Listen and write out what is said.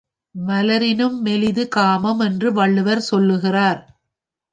மலரினும் மெல்லிது காமம் என்று வள்ளுவர் சொல்லுகிறார்.